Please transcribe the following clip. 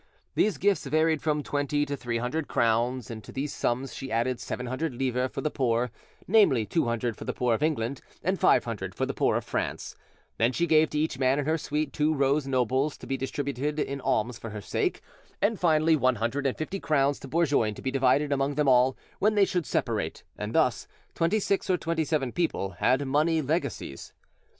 These gifts varied from twenty to three hundred crowns; and to these sums she added seven hundred livres for the poor, namely, two hundred for the poor of England and five hundred for the poor of France; then she gave to each man in her suite two rose nobles to be distributed in alms for her sake, and finally one hundred and fifty crowns to Bourgoin to be divided among them all when they should separate; and thus twenty six or twenty seven people had money legacies.